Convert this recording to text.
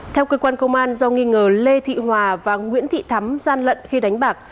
theo cơ quan công an do nghi ngờ lê thị hòa và nguyễn thị thắm gian lận khi đánh bạc